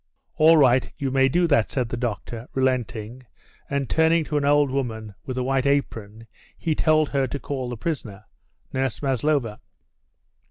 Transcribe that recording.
"All right, you may do that," said the doctor, relenting, and turning to an old woman with a white apron, he told her to call the prisoner Nurse Maslova.